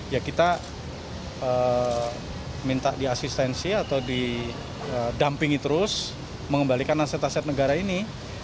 ya kita minta di asistensi atau didampingi terus mengembalikan aset aset negara ini